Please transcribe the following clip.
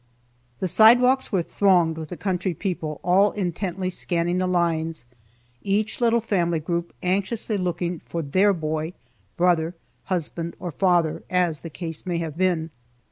The sidewalks were thronged with the country people all intently scanning the lines, each little family group anxiously looking for their boy, brother, husband or father, as the case may have been.